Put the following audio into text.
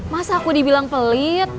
masa aku dibilang pelit